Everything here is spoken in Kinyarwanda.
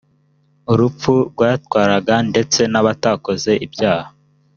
urupfu rwatwaraga ndetse n’abatakoze ibyaha